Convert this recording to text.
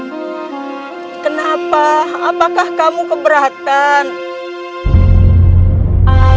kenapa apakah kamu keberatan